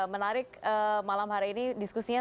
menarik malam hari ini diskusinya